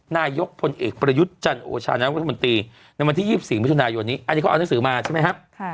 นายกพลเอกประยุทธ์จันโอชานายกรัฐมนตรีในวันที่๒๔มิถุนายนนี้อันนี้เขาเอาหนังสือมาใช่ไหมครับ